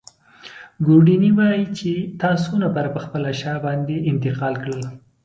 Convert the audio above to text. ګوردیني وايي چي تا څو نفره پر خپله شا باندې انتقال کړل.